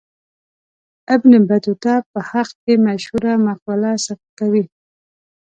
ابن بطوطه په حق کې مشهوره مقوله صدق کوي.